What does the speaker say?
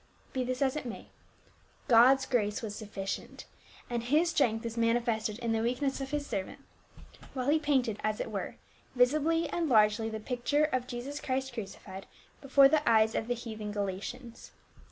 Be this as it may, God's grace was sufficient, and his strength was manifested in the weakness of his servant, ' while he painted, as it were, visibly and large the picture of Jesus Christ crucified,' before the eyes of the heathen Galatians.